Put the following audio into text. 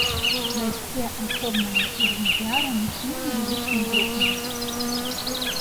Расце асобнымі экземплярамі і невялікімі групамі.